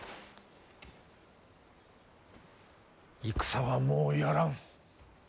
戦はもうやらん。